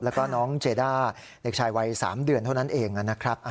แล้วก็น้องเจด้าเด็กชายวัย๓เดือนเท่านั้นเองนะครับ